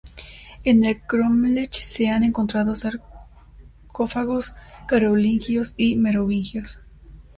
En el crómlech, se han encontrado sarcófagos carolingios y merovingios.